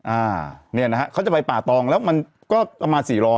อ่าเนี่ยนะฮะเขาจะไปป่าตองแล้วมันก็ประมาณสี่ร้อย